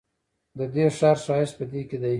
ددې ښار ښایست په دې کې دی.